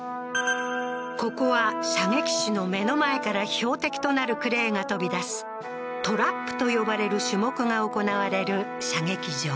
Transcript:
ここは射撃手の目の前から標的となるクレーが飛び出すトラップと呼ばれる種目が行われる射撃場